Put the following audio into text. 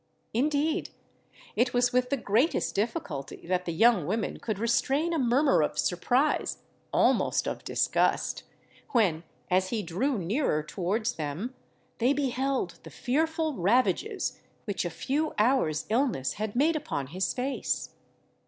Indeed, it was with the greatest difficulty that the young women could restrain a murmur of surprise—almost of disgust—when, as he drew nearer towards them, they beheld the fearful ravages which a few hours' illness had made upon his face.